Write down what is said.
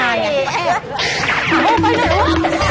อ่าโหเพราะหนู